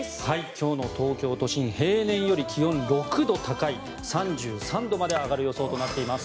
今日の東京都心平年より気温６度高い３３度まで上がる予想となっています。